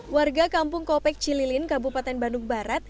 warga kampung kopek cililin kabupaten bandung barat